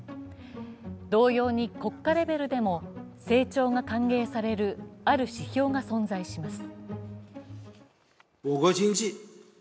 同様に国家レベルでも、成長が歓迎されるある指標が存在します。